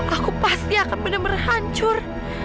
aku pasti akan benar benar hancur